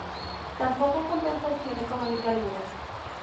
Tampoco compensación económica alguna.